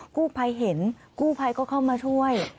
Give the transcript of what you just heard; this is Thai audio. กู้ภัยเห็นกู้ภัยก็เข้ามาช่วย